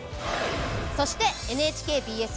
そしてＮＨＫＢＳ